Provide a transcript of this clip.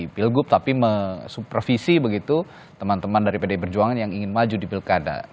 pilgub tapi mensupervisi begitu teman teman dari pdi perjuangan yang ingin maju di pilkada